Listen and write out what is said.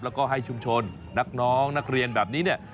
แล้วก็ให้ชุมชนนักน้องนักเรียนแบบนี้เนี่ย